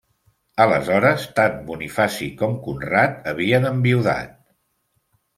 Aleshores, tant Bonifaci com Conrad havien enviudat.